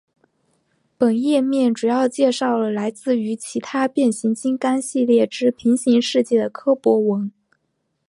本页面主要介绍了来自于其他变形金刚系列之平行世界的柯博文。